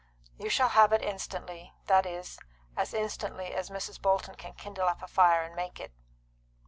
"You shall have it instantly; that is, as instantly as Mrs. Bolton can kindle up a fire and make it."